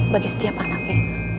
bagi setiap anaknya